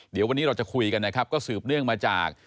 เดี๋ยววันนี้เราจะคุยกันนะครับก็สืบเนื่องมาจาก